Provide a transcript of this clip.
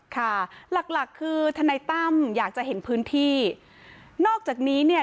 ค่ะหลักคือท่านนายตั้มอยากจะเห็นพื้นที่